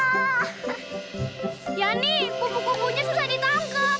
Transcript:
yanni bubuk kubunya sudah ditangkap